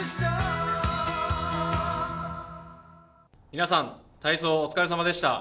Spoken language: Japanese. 皆さん、体操お疲れ様でした。